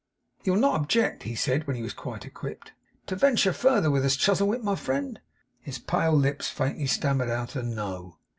'You'll not object,' he said, when he was quite equipped, 'to venture further with us, Chuzzlewit, my friend?' His pale lips faintly stammered out a 'No.